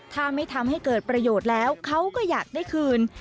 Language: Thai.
ถ้าไม่ทำให้เกิดประโยชน์แล้วเขาก็อยากได้คืน